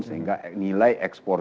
sehingga nilai ekspor